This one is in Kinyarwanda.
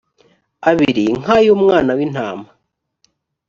abiri nk ay umwana w intama